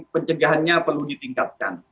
pencegahannya perlu ditingkatkan